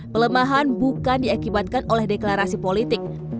pelemahan bukan diakibatkan oleh deklarasi politik